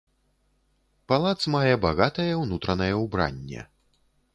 Палац мае багатае ўнутранае ўбранне.